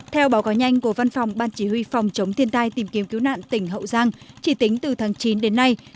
theo báo cáo nhanh của văn phòng ban chỉ huy phòng chống thiên tai tìm kiếm cứu nạn tỉnh hậu giang chỉ tính từ tháng chín đến nay